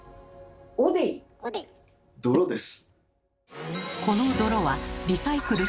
泥です。